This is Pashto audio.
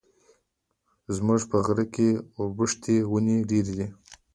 زموږ په غره کي د اوبښتي وني ډېري دي.